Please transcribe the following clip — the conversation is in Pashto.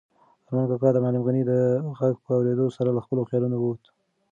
ارمان کاکا د معلم غني د غږ په اورېدو سره له خپلو خیالونو ووت.